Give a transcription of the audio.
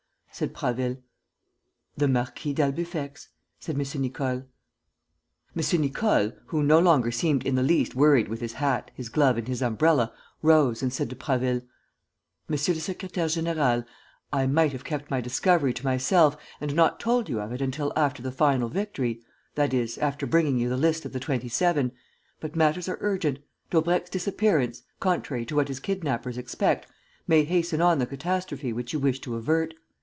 said Prasville. "The Marquis d'Albufex," said M. Nicole. M. Nicole, who no longer seemed in the least worried with his hat, his glove and his umbrella, rose and said to Prasville: "Monsieur le secrétaire; général, I might have kept my discovery to myself, and not told you of it until after the final victory, that is, after bringing you the list of the Twenty seven. But matters are urgent. Daubrecq's disappearance, contrary to what his kidnappers expect, may hasten on the catastrophe which you wish to avert.